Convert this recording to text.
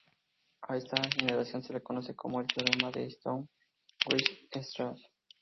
A esta generalización se la conoce como el teorema de Stone–Weierstrass.